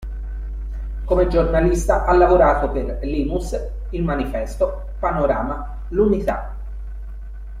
Come giornalista ha lavorato per "Linus", "il manifesto", "Panorama", "l'Unità".